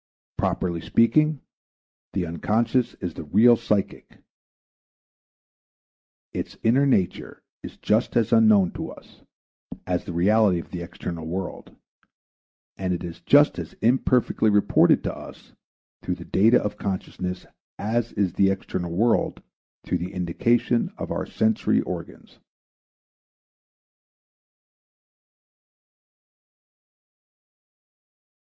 Properly speaking, the unconscious is the real psychic; _its inner nature is just as unknown to us as the reality of the external world, and it is just as imperfectly reported to us through the data of consciousness as is the external world through the indications of our sensory organs_.